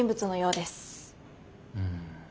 うん。